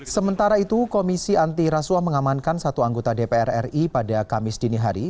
sementara itu komisi anti rasuah mengamankan satu anggota dpr ri pada kamis dini hari